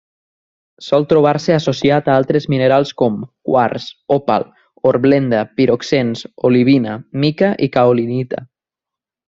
Sol trobar-se associat a altres minerals com: quars, òpal, hornblenda, piroxens, olivina, mica o caolinita.